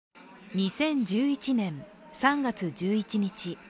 ２０１１年３月１１日。